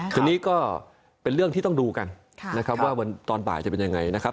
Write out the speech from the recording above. ทีนี้ก็เป็นเรื่องที่ต้องดูกันนะครับว่าตอนบ่ายจะเป็นยังไงนะครับ